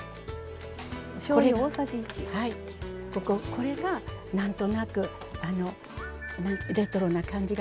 これが何となくレトロな感じがしない？